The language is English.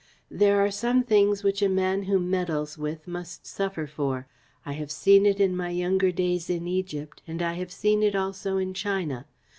There are some things which a man who meddles with must suffer for. I have seen it in my younger days in Egypt, and I have seen it also in China.